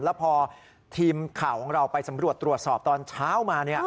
แล้วพอทีมข่าวของเราไปสำรวจตรวจสอบตอนเช้ามา